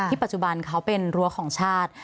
ปัจจุบันเขาเป็นรั้วของชาติ